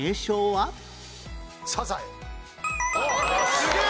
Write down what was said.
すげえ！